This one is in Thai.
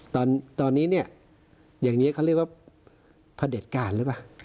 ตอนนี้เนี่ยอย่างนี้เขาเรียกว่าพระเด็จการหรือเปล่า